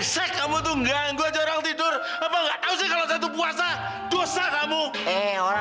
ya ampun bikin bran